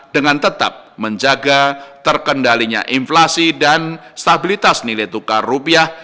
dengan tetap menjaga terkendalinya inflasi dan stabilitas nilai tukar rupiah